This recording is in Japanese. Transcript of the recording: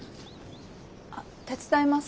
あっ手伝います。